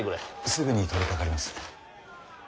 すぐに取りかかります。